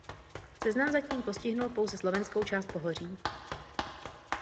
Seznam zatím postihuje pouze slovenskou část pohoří.